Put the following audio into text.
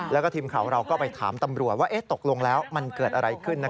แล้วก็ทีมข่าวเราก็ไปถามตำรวจว่าตกลงแล้วมันเกิดอะไรขึ้น